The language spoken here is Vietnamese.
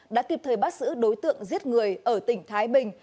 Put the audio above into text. đã kịp thời bắt giữ đối tượng giết người ở tỉnh thái bình